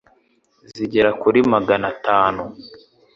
zigera kuri magana tanu,